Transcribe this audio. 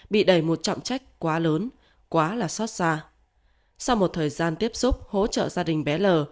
bị đẩy một trọng trách quá lớn quá là xót xa sau một thời gian tiếp xúc hỗ trợ gia đình bé lờ